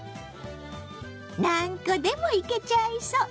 何個でもいけちゃいそう！